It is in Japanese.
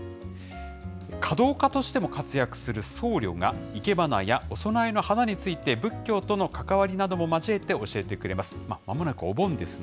華道家としても活躍する僧侶が生け花やお供えの花について、仏教との関わりなども交えて教えてくれます。